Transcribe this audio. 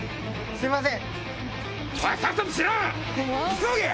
はいすいません。